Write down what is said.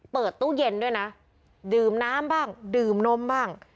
เปิดตู้เย็นด้วยนะดื่มน้ำบ้างดื่มนมบ้าง